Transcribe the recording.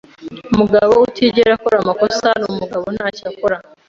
Umugabo utigera akora amakosa numugabo ntacyo akora.